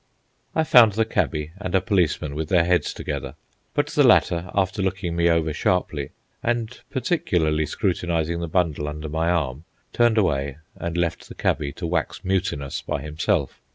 I found the cabby and a policeman with their heads together, but the latter, after looking me over sharply, and particularly scrutinizing the bundle under my arm, turned away and left the cabby to wax mutinous by himself.